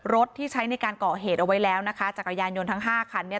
ที่ใช้ในการก่อเหตุเอาไว้แล้วนะคะจักรยานยนต์ทั้งห้าคันเนี่ย